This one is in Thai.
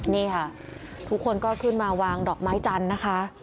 นี่ค่ะทุกคนก็ขึ้นมาวางดอกไม้จันทร์นะคะ